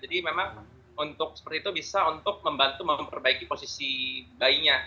jadi memang untuk seperti itu bisa untuk membantu memperbaiki posisi bayinya